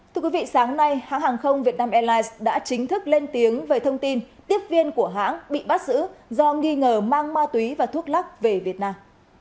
thưa quý vị sáng nay hãng hàng không việt nam airlines đã chính thức lên tiếng về thông tin tiếp viên của hãng bị bắt giữ do nghi ngờ mang ma túy và thuốc lắc về việt nam